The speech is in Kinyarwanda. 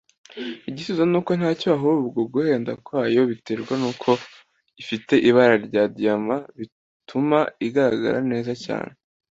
Igisubizo nuko ntacyo ahubwo guhenda kwayo biterwa nuko ifite ibara rya diamant bituma igaragara neza cyane